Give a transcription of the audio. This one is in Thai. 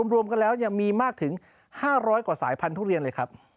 รวมกันแล้วมีมากถึง๕๐๐กว่าสายพันธุเรียนเลยครับ